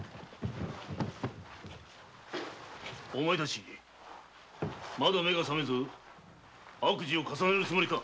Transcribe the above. お前たちまだ目が覚めず悪事を重ねるつもりか？